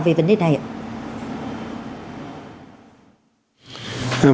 về vấn đề này ạ